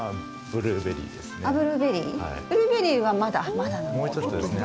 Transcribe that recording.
ブルーベリーはまだ？